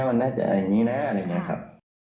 มันน่าจะอะไรอย่างนี้นะอะไรอย่างนี้ครับ